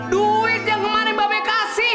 duit yang kemarin mbak be kasih